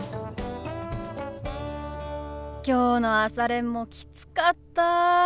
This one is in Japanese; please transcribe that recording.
きょうの朝練もきつかった。